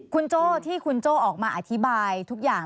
คุณโจ้ที่คุณโจ้ออกมาอธิบายทุกอย่าง